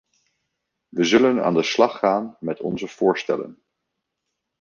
We zullen aan de slag gaan met onze voorstellen.